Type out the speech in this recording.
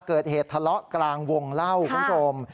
เกิดเหตุทะเลาะกลางวงเล่าคุณผู้ชม